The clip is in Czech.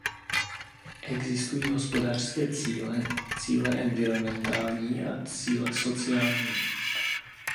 Existují hospodářské cíle, cíle environmentální a cíle sociální.